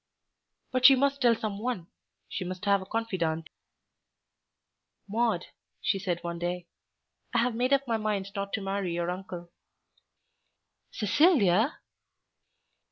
But she must tell some one. She must have a confidante. "Maude," she said one day, "I have made up my mind not to marry your uncle." "Cecilia!"